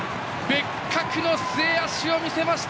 別格の末脚を見せました